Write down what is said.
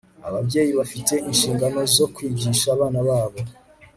ababyeyi bafite inshingano zo kwigisha abana babo